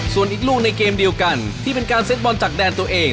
ส่วนอีกลูกในเกมเดียวกันที่เป็นการเซ็ตบอลจากแดนตัวเอง